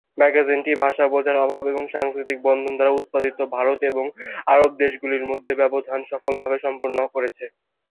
ম্যাগাজিনটি ভাষা বোঝার অভাব এবং সাংস্কৃতিক বন্ধন দ্বারা উৎপাদিত ভারত এবং আরব দেশগুলির মধ্যে ব্যবধান সফলভাবে পূরণ করেছে।